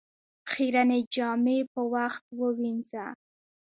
خيرنې جامې په وخت ووينځه